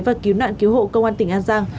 và cứu nạn cứu hộ công an tỉnh an giang